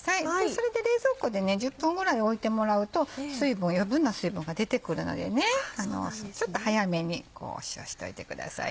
それで冷蔵庫で１０分ぐらい置いてもらうと余分な水分が出てくるのでちょっと早めに塩しといてください。